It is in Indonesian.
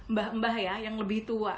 mbah mbak ya yang lebih tua